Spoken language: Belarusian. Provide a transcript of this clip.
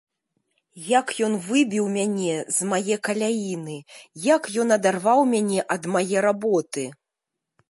Як ён выбіў мяне з мае каляіны, як ён адарваў мяне ад мае работы!